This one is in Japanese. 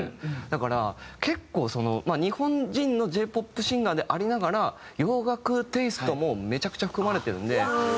だから結構日本人のＪ−ＰＯＰシンガーでありながら洋楽テイストもめちゃくちゃ含まれてるんで。